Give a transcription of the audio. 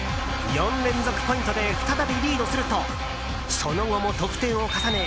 ４連続ポイントで再びリードするとその後も得点を重ね